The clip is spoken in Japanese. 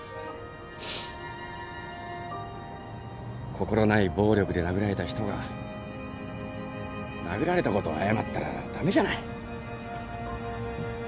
心ない暴力で殴られた人が殴られたことを謝ったら駄目じゃない。